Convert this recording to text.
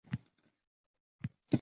O'z hayoti tinmay qotib qolgan